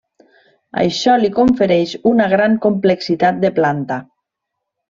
Això li confereix una gran complexitat de planta.